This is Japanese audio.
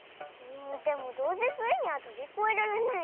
でもどうせスイにはとびこえられないよ。